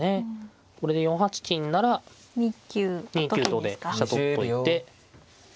これで４八金なら２九とで飛車取っといて。